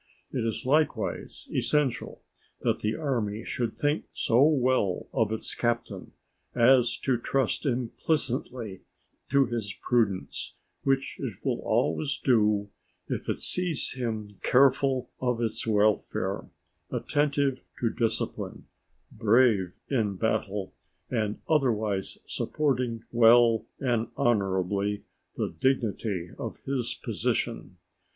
It is likewise essential that the army should think so well of its captain as to trust implicitly to his prudence; which it will always do if it see him careful of its welfare, attentive to discipline, brave in battle, and otherwise supporting well and honourably the dignity of his position.